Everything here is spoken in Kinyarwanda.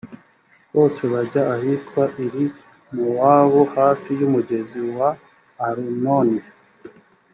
bose bajya ahitwa iri-mowabu, hafi y’umugezi wa arunoni.